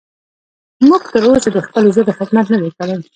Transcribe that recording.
موږ تر اوسه د خپلې ژبې خدمت نه دی کړی.